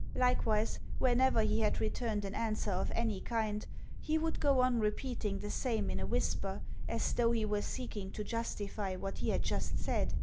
Likewise, whenever he had returned an answer of any kind, he would go on repeating the same in a whisper, as though he were seeking to justify what he had just said.